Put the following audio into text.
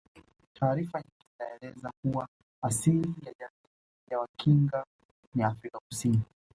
Taarifa nyingine zinaeleza kuwa asili ya jamii ya Wakinga ni Afrika Kusini